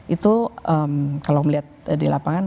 itu kalau melihat di lapangan